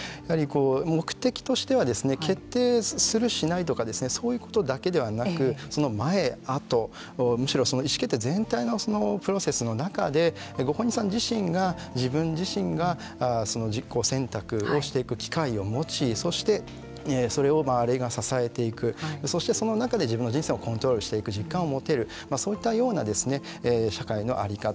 目的としては決定する、しないとかそういうことだけではなくその前、あとむしろその意思決定全体のプロセスの中でご本人さん自身が自分自身が自己選択をしていく機会を持ちそしてそれを周りが抑えていくその中で自分の人生をコントロールしていく実感を持てるそういったような社会の在り方